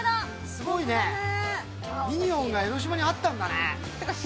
すごいね、ミニオンが江の島にあったんだね。